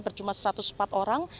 berjumlah satu ratus empat orang